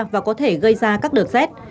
và có thể gây ra các đợt rét